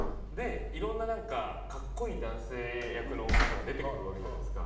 いろんな格好いい男性役の方が出てくるわけじゃないですか。